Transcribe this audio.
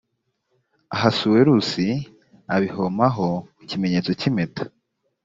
ahasuwerusi abihomaho ikimenyetso cy’impeta